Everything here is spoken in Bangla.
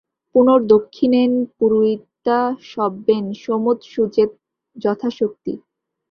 পুনর্দক্ষিণেন পুরুয়িত্বা সব্যেন সমুৎসুজেৎ যথাশক্তি।